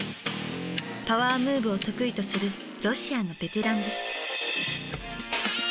パワームーブを得意とするロシアのベテランです。